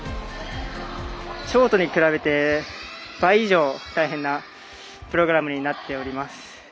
ショートに比べて倍以上大変なプログラムになっております。